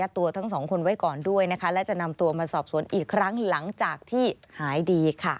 ตัวทั้งสองคนไว้ก่อนด้วยและจะนำตัวมาสอบสวนอีกครั้งหลังจากที่หายดี